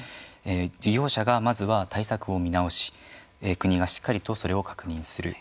事業者が、まずは対策を見直し国がしっかりとそれを確認する。